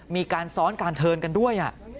มีการซ้อนการเทินกันด้วย